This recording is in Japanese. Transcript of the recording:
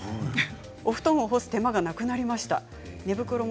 お布団を干す手間がなくなりました。